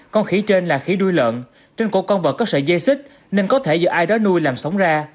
con khỉ trên là khỉ đuôi lợn trên cổ con vật có sợi dây xích nên có thể do ai đó nuôi làm sống ra